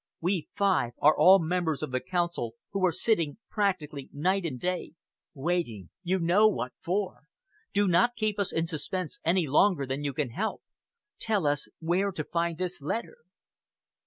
We five are all members of the Council who are sitting practically night and day, waiting you know what for. Do not keep us in suspense any longer than you can help. Tell us where to find this letter?"